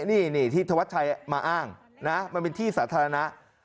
นี่ที่ธวัดชัยมาอ้างนะมันเป็นที่สาธารณะ